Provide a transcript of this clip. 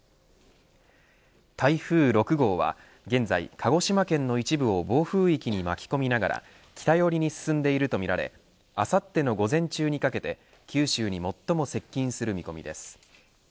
台風６号は現在鹿児島県の一部を暴風域に巻き込みながら北寄りに進んでいるとみられあさっての午前中にかけて九州に最も接近する見込みです。